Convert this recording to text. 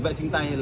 và rất là cần hiểu